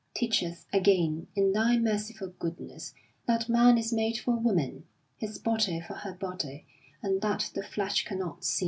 Teach us, again, in thy merciful goodness, that man is made for woman, his body for her body, and that the flesh cannot sin.